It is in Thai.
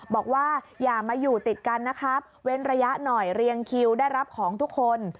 บอกว่าอย่ามาอยู่ติดกันนะครับเว้นระยะหน่อยเรียงคิวได้รับของทุกคน